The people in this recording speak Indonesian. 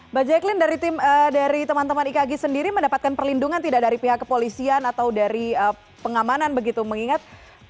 mbak jacqueline dari teman teman ikagi sendiri mendapatkan perlindungan tidak dari pihak kepolisian atau dari pengamanan begitu mengingat